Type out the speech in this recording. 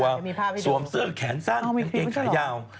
ยังมีภาพให้ดูสวมเสื้อแขนสั้นเอาเม้กเกงขายาว